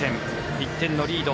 １点のリード。